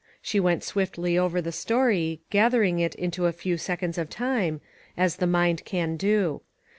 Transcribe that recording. She went swiftly over the story, gathering it into a few seconds of time, as the mind can do.